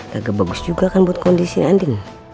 gagal bagus juga kan buat kondisi andi